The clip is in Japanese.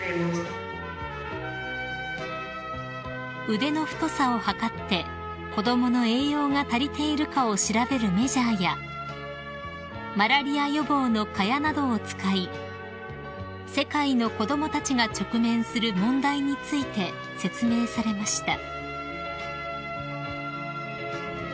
［腕の太さを測って子供の栄養が足りているかを調べるメジャーやマラリア予防の蚊帳などを使い世界の子供たちが直面する問題について説明されました］